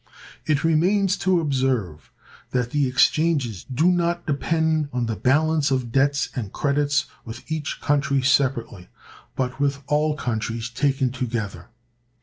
It remains to observe that the exchanges do not depend on the balance of debts and credits with each country separately, but with all countries taken together.